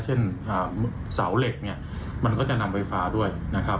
เช่นเสาเหล็กเนี่ยมันก็จะนำไฟฟ้าด้วยนะครับ